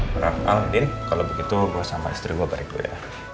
bu raff andien kalau begitu gue sama istri gue balik dulu ya